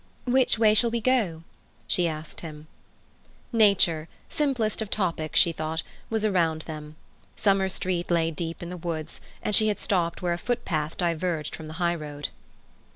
"Which way shall we go?" she asked him. Nature—simplest of topics, she thought—was around them. Summer Street lay deep in the woods, and she had stopped where a footpath diverged from the highroad.